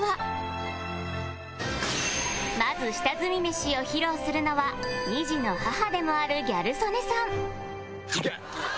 まず下積みメシを披露するのは２児の母でもあるギャル曽根さん